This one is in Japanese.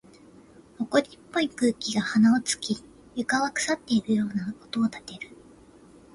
埃っぽい空気が鼻を突き、床は腐っているような音を立てる。